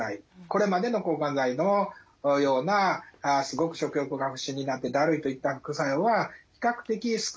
これまでの抗がん剤のようなすごく食欲が不振になってだるいといった副作用は比較的少ないです。